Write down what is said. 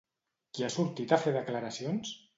Qui ha sortit a fer declaracions?